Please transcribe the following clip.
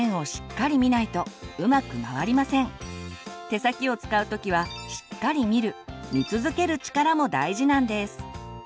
手先を使う時はしっかり見る見続ける力も大事なんです。